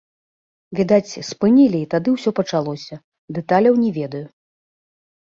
Відаць, спынілі і тады ўсё пачалося, дэталяў не ведаю.